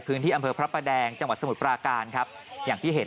ที่อำเภอพระประแดงจังหวัดสมุทรปราการครับอย่างที่เห็น